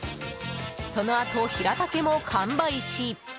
そのあと、ヒラタケも完売し。